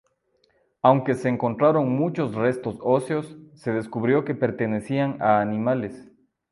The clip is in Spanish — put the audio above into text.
Aunque se encontraron muchos restos óseos, se descubrió que pertenecían a animales.